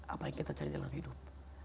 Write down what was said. apa yang kita cari dalam hidup